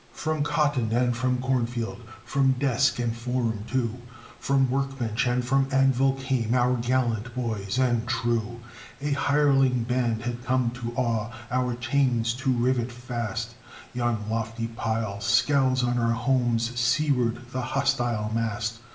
From cotton and from corn field, From desk and forum, too, From work bench and from anvil came Our gallant boys and true! A hireling band had come to awe, Our chains to rivet fast; Yon lofty pile scowls on our homes Seaward the hostile mast.